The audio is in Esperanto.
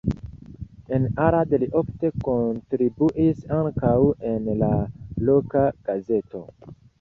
En Arad li ofte kontribuis ankaŭ en la loka gazeto.